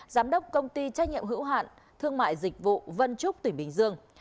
giám đốc công ty trách nhiệm hữu hạn thương mại dịch vụ vân trúc tỉnh bình dương